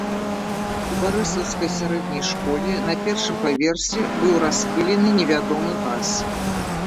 У барысаўскай сярэдняй школе на першым паверсе быў распылены невядомы газ.